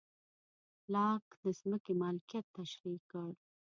لاک د ځمکې مالکیت تشرېح کړ.